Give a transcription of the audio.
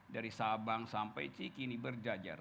dari sabang sampai cikini berjajar